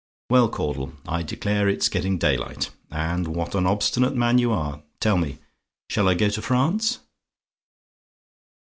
"Well, Caudle I declare it's getting daylight, and what an obstinate man you are! tell me, shall I go to France?"